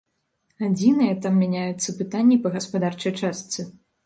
Адзінае, там мяняюцца пытанні па гаспадарчай частцы.